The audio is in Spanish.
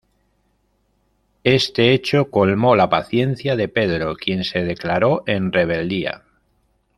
Este hecho colmó la paciencia de Pedro, quien se declaró en rebeldía.